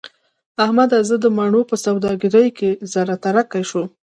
احمده! زه د مڼو په سوداګرۍ کې زهره ترکی شوم.